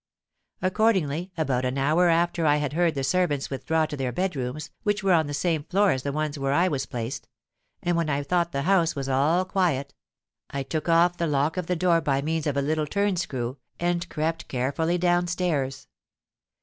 Accordingly, about an hour after I had heard the servants withdraw to their bed rooms, which were on the same floor as the one where I was placed,—and when I thought the house was all quiet,—I took off the lock of the door by means of a little turn screw, and crept carefully down stairs.